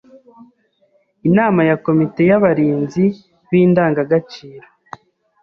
Inama ya komite y’abarinzi b’indangagaciro